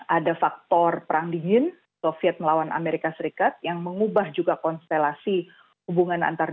ada faktor perang dingin soviet melawan amerika serikat yang mengubah juga konstelasi hubungan antar